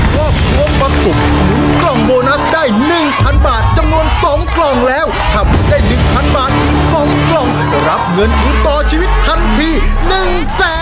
สวมพร้อมประกุมกล้องโบนัสได้๑๐๐๐บาทจำนวน๒กล่องแล้วถ้าไม่ได้๑๐๐๐บาทอีก๒กล่องรับเงินทุนต่อชีวิตทันที๑แสนสัตว์